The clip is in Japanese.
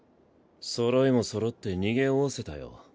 そろいもそろって逃げおおせたよ。